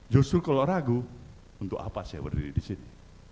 justru kalau ragu untuk apa saya berdiri di sini